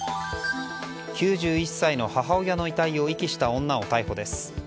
９１歳の母親の遺体を遺棄した女を逮捕です。